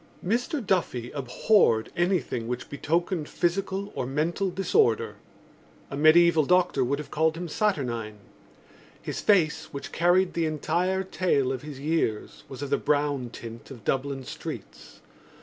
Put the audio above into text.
Mr Duffy abhorred anything which betokened physical or mental disorder. A mediæval doctor would have called him saturnine. His face, which carried the entire tale of his years, was of the brown tint of Dublin streets.